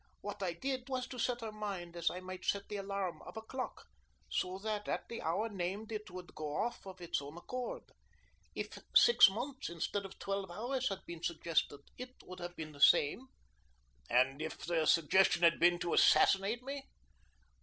What I did was to set her mind as I might set the alarum of a clock so that at the hour named it would go off of its own accord. If six months instead of twelve hours had been suggested, it would have been the same." "And if the suggestion had been to assassinate me?"